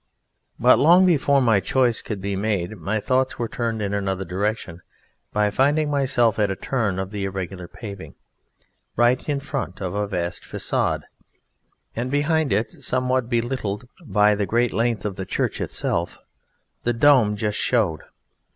But long before my choice could be made my thoughts were turned in another direction by finding myself at a turn of the irregular paving, right in front of a vast façade, and behind it, somewhat belittled by the great length of the church itself, the dome just showed.